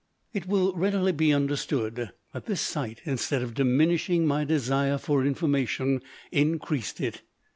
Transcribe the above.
It will readily be understood that this sight, instead of diminishing my desire for information, increased it.